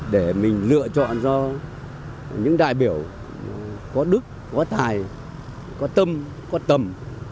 để mình lựa chọn cho những đại biểu có đức có tài có tâm có tầm